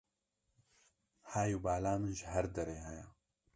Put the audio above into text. Hay û bala min ji her derê heye.